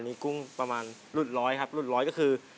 มีกุ้งประมาณรุ่นร้อยครับรุ่นร้อยก็คือ